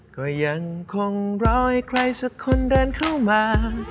ก็ยังคงรอให้ใครสักคนเดินเข้ามา